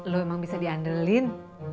lo emang bisa dianderlin